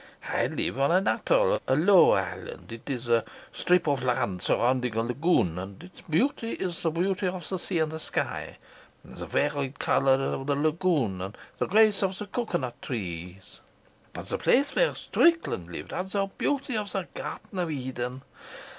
I live on an atoll, a low island, it is a strip of land surrounding a lagoon, and its beauty is the beauty of the sea and sky and the varied colour of the lagoon and the grace of the cocoa nut trees; but the place where Strickland lived had the beauty of the Garden of Eden.